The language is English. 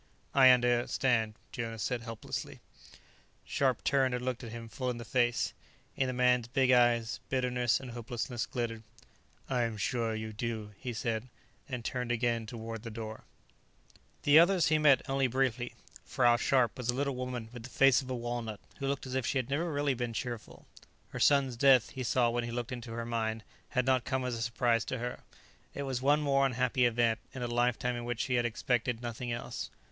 "I understand," Jonas said helplessly. Scharpe turned and looked him full in the face. In the big man's eyes, bitterness and hopelessness glittered. "I am sure you do," he said, and turned again toward the door. The others he met only briefly. Frau Scharpe was a little woman with the face of a walnut, who looked as if she had never really been cheerful. Her son's death, he saw when he looked into her mind, had not come as a surprise to her; it was one more unhappy event, in a lifetime in which she had expected nothing else.